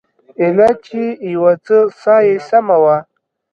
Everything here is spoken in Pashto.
ايله چې يو څه ساه يې سمه وه.